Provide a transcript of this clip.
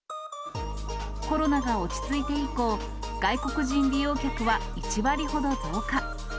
コロナが落ち着いて以降、外国人利用客は１割ほど増加。